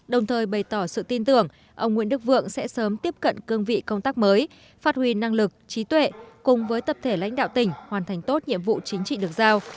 đồng thời bày tỏ sự tin tưởng ông nguyễn đức vượng sẽ sớm tiếp cận cương vị công tác mới phát huy năng lực trí tuệ cùng với tập thể lãnh đạo tỉnh hoàn thành tốt nhiệm vụ chính trị được giao